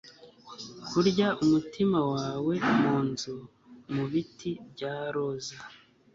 kurya umutima wawe munzu mubiti bya roza